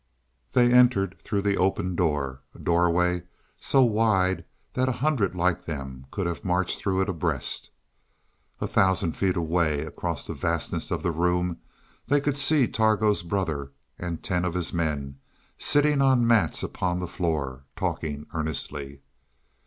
They entered through the open door a doorway so wide that a hundred like them could have marched through it abreast. A thousand feet away across the vastness of the room they could see Targo's brother and ten of his men sitting on mats upon the floor, talking earnestly.